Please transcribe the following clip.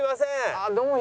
ああどうも。